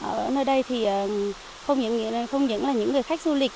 ở nơi đây thì không những là những người khách du lịch